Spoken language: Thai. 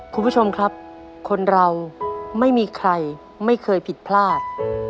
คุณผู้ชมครับคนเราไม่มีใครไม่เคยผิดพลาด